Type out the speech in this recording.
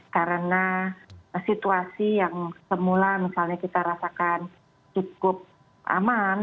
karena situasi yang semula misalnya kita rasakan cukup aman